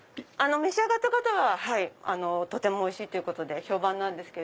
召し上がった方はとてもおいしいということで評判です。